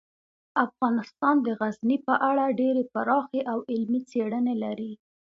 افغانستان د غزني په اړه ډیرې پراخې او علمي څېړنې لري.